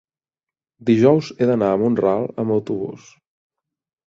dijous he d'anar a Mont-ral amb autobús.